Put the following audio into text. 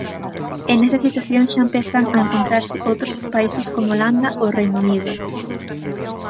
E nesa situación xa empezan a encontrarse outros países como Holanda ou Reino Unido.